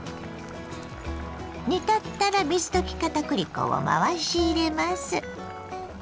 煮立ったら水溶き片栗粉を回し入れます。